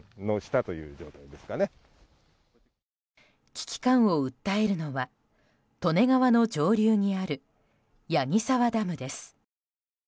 危機感を訴えるのは、利根川の上流にある矢木沢ダムです。